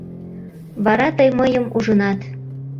Вара тый мыйым ужынат...